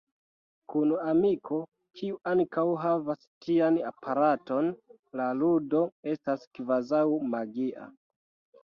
Kun amiko, kiu ankaŭ havas tian aparaton, la ludo estas kvazaŭ magia.